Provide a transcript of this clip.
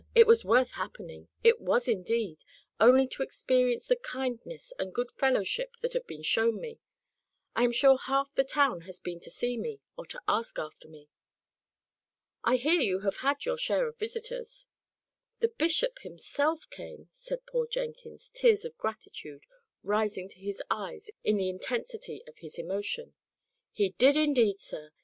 it was worth happening! it was indeed; only to experience the kindness and good fellowship that have been shown me. I am sure half the town has been to see me, or to ask after me." "I hear you have had your share of visitors." "The bishop himself came," said poor Jenkins, tears of gratitude rising to his eyes in the intensity of his emotion. "He did, indeed, sir.